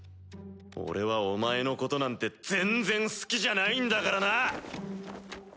俺はお前のことなんて全然好きじゃないんだからな！